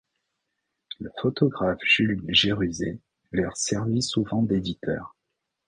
Le photographe Jules Géruzet leur servit souvent d'éditeur.